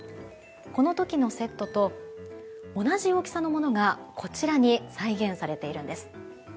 この時のセットと同じ大きさのものがこちらに再現されているんです。